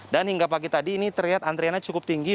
dan hingga pagi tadi ini terlihat antriannya cukup tinggi